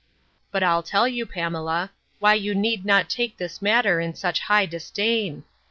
But I'll tell you, Pamela, why you need not take this matter in such high disdain!